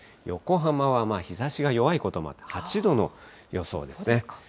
横浜は日ざしが弱いこともあって８度の予想ですね。